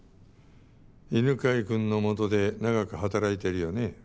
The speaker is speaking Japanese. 犬飼くんの下で長く働いてるよね。